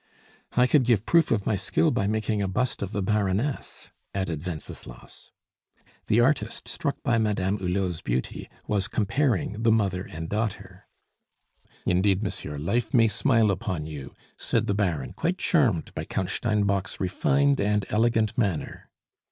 "I could give proof of my skill by making a bust of the Baroness," added Wenceslas. The artist, struck by Madame Hulot's beauty, was comparing the mother and daughter. "Indeed, monsieur, life may smile upon you," said the Baron, quite charmed by Count Steinbock's refined and elegant manner.